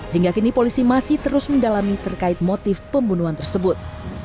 hingga kini polisi masih terus mendalami terkait motif pembunuhan tersebut